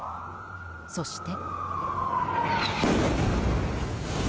そして。